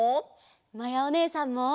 まやおねえさんも。